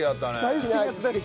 大好きなやつです。